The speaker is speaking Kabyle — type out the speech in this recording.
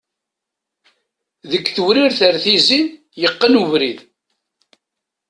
Deg tewrirt ar tizi, yeqqen ubrid.